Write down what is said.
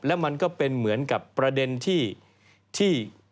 แล้วมันก็เป็นเหมือนกับประเด็นที่